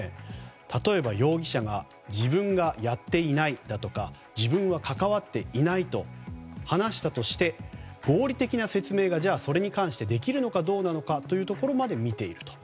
例えば、容疑者が自分はやっていないだとか自分は関わっていないと話したとして合理的な説明がじゃあ、それに関してできるのかどうなのかまで見ていくと。